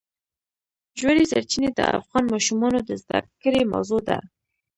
ژورې سرچینې د افغان ماشومانو د زده کړې موضوع ده.